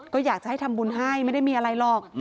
ก็อยากจะให้ทำบุญให้ไม่ได้มีอะไรหรอก